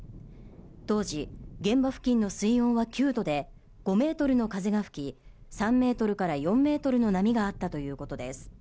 当時、現場付近の水温は９度で５ｍの風が吹き、３ｍから４ｍの波があったということです。